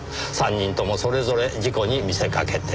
３人ともそれぞれ事故に見せかけて。